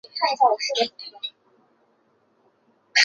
吴宽葬于木渎西花园山。